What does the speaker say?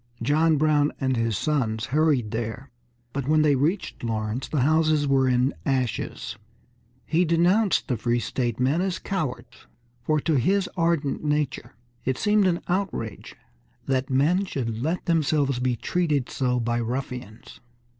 John Brown and his sons hurried there, but when they reached Lawrence the houses were in ashes. He denounced the free state men as cowards, for to his ardent nature it seemed an outrage that men should let themselves be treated so by ruffians.